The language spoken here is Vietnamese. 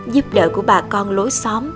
giúp đỡ của bà con lối xóm